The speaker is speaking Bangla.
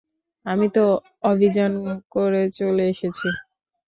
আমি তো অভিমান করে চলে এসেছি।